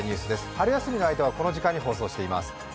春休みの間はこの時間に放送しています。